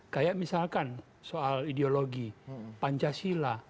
kayak misalkan soal ideologi pancasila